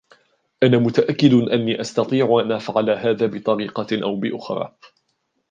أنا متأكد أني أستطيع أن أفعل هذا بطريقة أو بأخري.